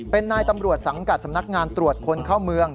เป็นนายตำรวจสังกัดสำนักงานตรวจคนเข้าเมือง